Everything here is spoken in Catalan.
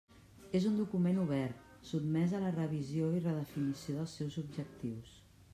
És un document obert, sotmés a la revisió i redefinició dels seus objectius.